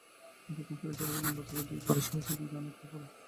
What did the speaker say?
এতক্ষণ ফেরি চলাচল বন্ধ থাকায় দুই পাড়ে সহস্রাধিক যান আটকা পড়ে।